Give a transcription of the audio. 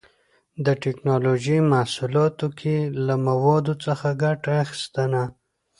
د ټېکنالوجۍ محصولاتو کې له موادو څخه ګټه اخیستنه